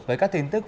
với các tin tức